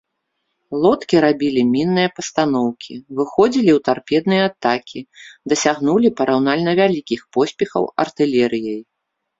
Лодкі рабілі мінныя пастаноўкі, выходзілі ў тарпедныя атакі, дасягнулі параўнальна вялікіх поспехаў артылерыяй.